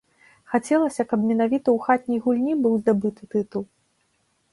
Хацелася, каб менавіта ў хатняй гульні быў здабыты тытул.